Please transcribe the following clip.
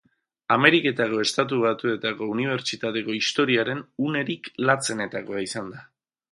Ameriketako Estatu Batuetako unibertsitateko historiaren unerik latzenetakoa izan da.